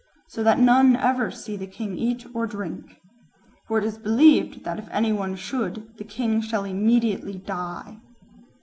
So that none ever see the king eat or drink. For it is believed that if any one should, the king shall immediately die."